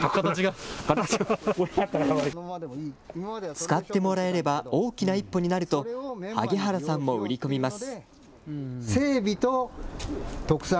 使ってもらえれば大きな一歩になると萩原さんも売り込みます。